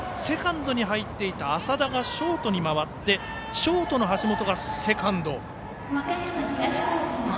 セカンドに入っていた麻田がショートに回ってショートの橋本がセカンドへ。